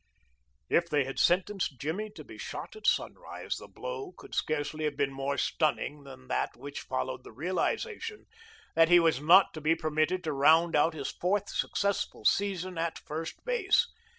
If they had sentenced Jimmy to be shot at sunrise the blow could scarcely have been more stunning than that which followed the realization that he was not to be permitted to round out his fourth successful season at first base.